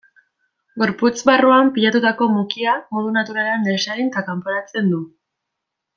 Gorputz barruan pilatutako mukia modu naturalean desegin eta kanporatzen du.